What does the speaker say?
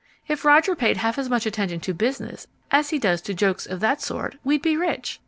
If Roger paid half as much attention to business as he does to jokes of that sort, we'd be rich.